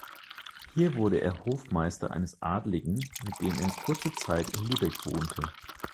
Hier wurde er Hofmeister eines Adligen, mit dem er kurze Zeit in Lübeck wohnte.